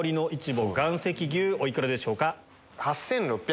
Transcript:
お幾らでしょうか？